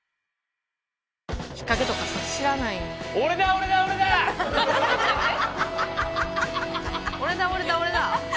「俺だ俺だ俺だ！」？